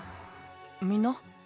みんな？